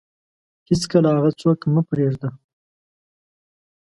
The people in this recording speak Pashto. هیڅکله هغه څوک مه پرېږده